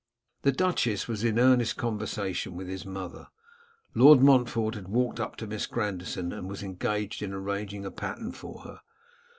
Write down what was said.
The duchess was in earnest conversation with his mother. Lord Montfort had walked up to Miss Grandison, and was engaged in arranging a pattern for her.